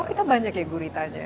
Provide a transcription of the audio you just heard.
oh kita banyak ya guritanya